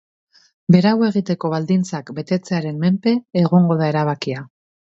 Berau egiteko baldintzak betetzearen menpe egongo da erabakia.